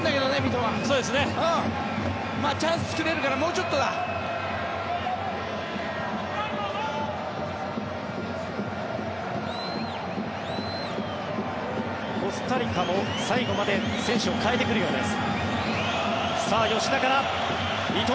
コスタリカも最後まで選手を代えてくるようです。